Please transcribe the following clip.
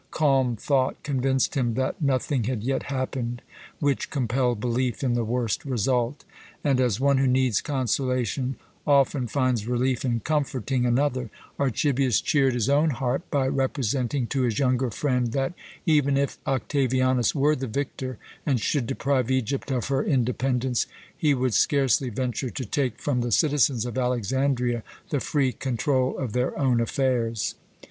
Calm thought convinced him that nothing had yet happened which compelled belief in the worst result; and, as one who needs consolation often finds relief in comforting another, Archibius cheered his own heart by representing to his younger friend that, even if Octavianus were the victor and should deprive Egypt of her independence, he would scarcely venture to take from the citizens of Alexandria the free control of their own affairs.